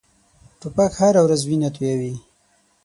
توپک هره ورځ وینه تویوي.